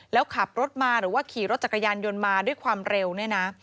แล้วขับรถมาหรือว่าขี่รถจักรยานยนต์มาด้วยความเร็วเนี่ยนะ